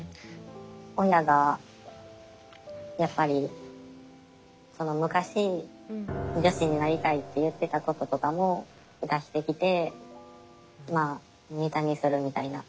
親がやっぱり昔女子になりたいって言ってたこととかも出してきてまあネタにするみたいな。